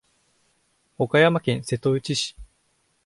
岡山県瀬戸内市